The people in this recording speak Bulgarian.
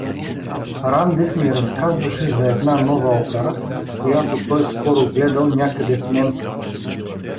Рандев ми разказваше за една нова опера, която той скоро гледал някъде в Немско.